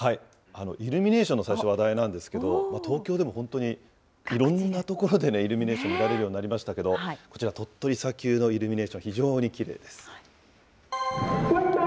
イルミネーションの最初、話題なんですけど、東京でも本当に、いろんな所でイルミネーション見られるようになりましたけど、こちら、鳥取砂丘のイルミネーション、非常にきれいです。